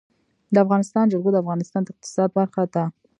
د افغانستان جلکو د افغانستان د اقتصاد برخه ده.